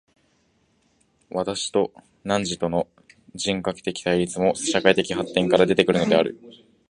私と汝との人格的対立も、社会的発展から出て来るのである。